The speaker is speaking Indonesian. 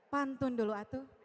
pantun dulu atu